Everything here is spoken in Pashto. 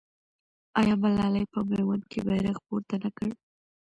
آیا ملالۍ په میوند کې بیرغ پورته نه کړ؟